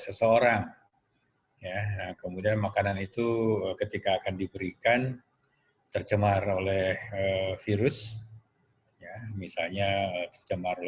seseorang ya kemudian makanan itu ketika akan diberikan tercemar oleh virus misalnya tercemar